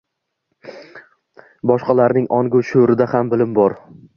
Boshqalarning ong-u shuurida ham bilim bor.